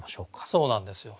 そうなんですよ。